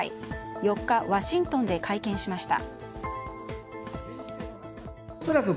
４日、ワシントンで会見しました。